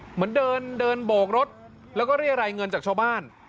เหมือนเดินโบกรถแล้วก็เรียรายเงินจากชาวบ้าน